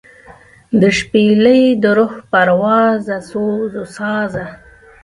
دشپیلۍ دروح پروازه سوزوسازه